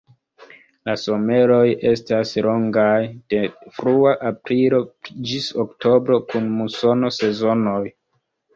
La someroj estas longaj, de frua aprilo ĝis oktobro kun musono-sezonoj.